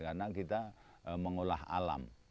karena kita mengolah alam